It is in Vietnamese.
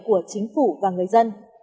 của chính phủ và người dân